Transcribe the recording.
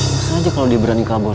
bisa aja kalau dia berani kabur